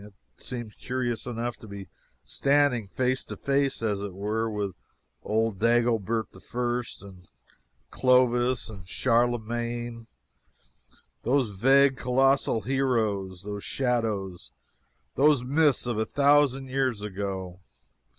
It seemed curious enough to be standing face to face, as it were, with old Dagobert I., and Clovis and Charlemagne, those vague, colossal heroes, those shadows, those myths of a thousand years ago!